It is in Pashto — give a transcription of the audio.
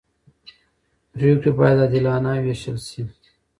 پرېکړې باید عادلانه وېشل شي